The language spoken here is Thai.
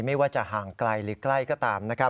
ไม่ว่าจะห่างไกลหรือใกล้ก็ตามนะครับ